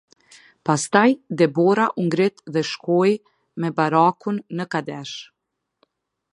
Pastaj Debora u ngrit dhe shkoi me Barakun në Kadesh.